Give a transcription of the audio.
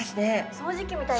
掃除機みたい。